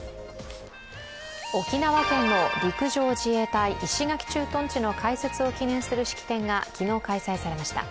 沖縄県の陸上自衛隊石垣駐屯地の開設を記念する式典が昨日、開催されました。